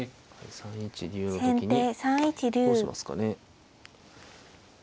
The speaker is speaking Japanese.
３一竜の時にどうしますかね。